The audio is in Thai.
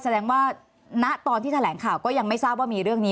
แสดงว่าณตอนที่แถลงข่าวก็ยังไม่ทราบว่ามีเรื่องนี้